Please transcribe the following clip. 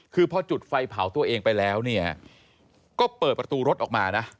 คือพอจุดไฟเผาตัวเองไปแล้วเนี่ยก็เปิดประตูรถออกมานะ